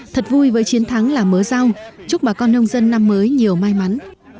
thật vui với chiến thắng là mớ giao chúc bà con nông dân năm mới nhiều may mắn